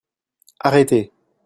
Arrêtez !